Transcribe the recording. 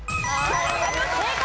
正解。